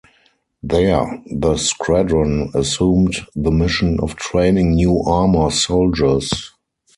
There, the squadron assumed the mission of training new armor soldiers.